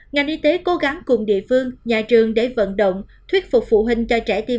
ngành y tế cố gắng cùng địa phương nhà trường để vận động thuyết phục phụ huynh cho trẻ tiêm